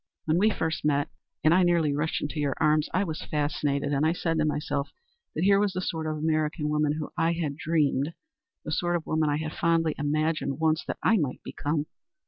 "When we met first and I nearly rushed into your arms, I was fascinated, and I said to myself that here was the sort of American woman of whom I had dreamed the sort of woman I had fondly imagined once that I might become.